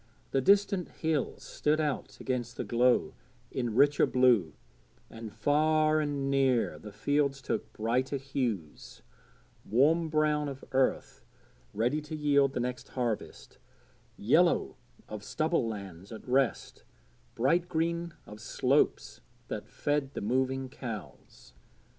The distant hills stood out against the glow in richer blue, and far and near the fields took brighter hues warm brown of earth ready to yield the next harvest, yellow of stubble lands at rest, bright green of slopes that fed the moving cows.